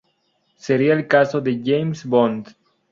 Sería el caso de James Bond.